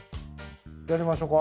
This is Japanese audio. やりましょうか？